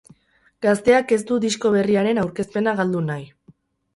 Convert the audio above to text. Gazteak ez du disko berriaren aurkezpena galdu nahi.